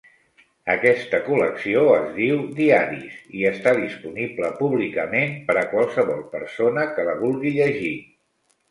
Aquesta col·lecció es diu "diaris" i està disponible públicament per a qualsevol persona que la vulgui llegir.